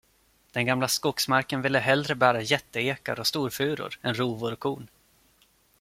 Den gamla skogsmarken ville hellre bära jätteekar och storfuror än rovor och korn.